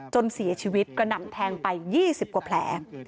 จนเสียชีวิตกระหน่ำแทงไป๒๐กว่าแผล